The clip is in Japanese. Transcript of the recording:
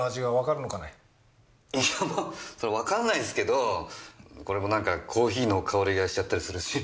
いやもうわからないんすけどこれも何かコーヒーの香りがしちゃったりするし。